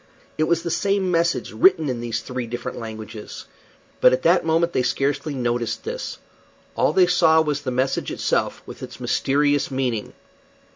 It was the same message, written in these three different languages. But at that moment they scarcely noticed this. All that they saw was the message itself, with its mysterious meaning.